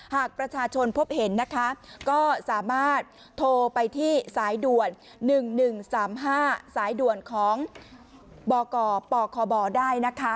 หากประชาชนพบเห็นนะคะก็สามารถโทรไปที่สายด่วน๑๑๓๕สายด่วนของบกปคบได้นะคะ